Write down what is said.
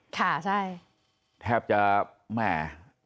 แทบจะอาจจะบอกว่า